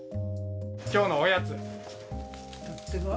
きょうのおやつに。